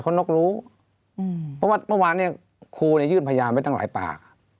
เขานกรู้เพราะว่าเมื่อวานเนี่ยครูเนี่ยยื่นพยานไว้ตั้งหลายปาก